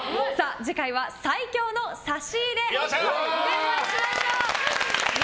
次回は最強の差し入れ杯。